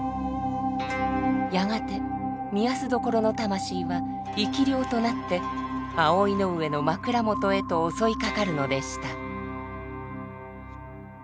やがて御息所の魂は生き霊となって葵の上の枕元へと襲いかかるのでした。